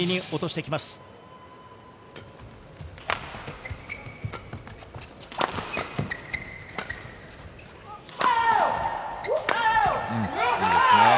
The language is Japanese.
いいですね。